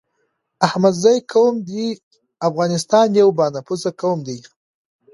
احمدزی قوم دي افغانستان يو با نفوسه قوم دی